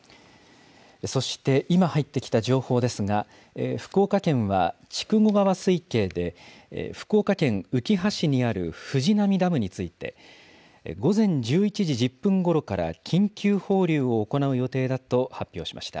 そして今入ってきた情報ですが、福岡県は筑後川水系で福岡県うきは市にある藤波ダムについて、午前１１時１０分ごろから緊急放流を行う予定だと発表しました。